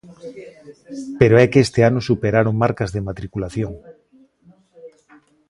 Pero é que este ano superaron marcas de matriculación.